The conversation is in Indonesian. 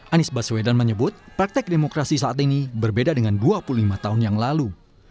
anies baswedan menyebut praktek demokrasi saat ini berbeda dengan dua puluh lima tahun yang lalu